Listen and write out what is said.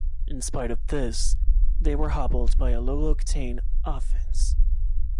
In spite of this, they were hobbled by a low-octane offense.